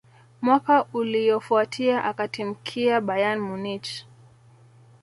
Mwaka uliyofuatia akatimkia Bayern Munich